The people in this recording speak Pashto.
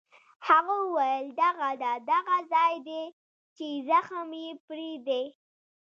هغه وویل: دغه ده، دغه ځای دی چې زخم یې پرې دی.